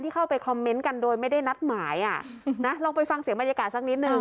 เข้าไปคอมเมนต์กันโดยไม่ได้นัดหมายอ่ะนะลองไปฟังเสียงบรรยากาศสักนิดนึง